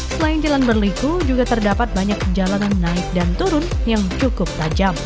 selain jalan berliku juga terdapat banyak jalan naik dan turun yang cukup tajam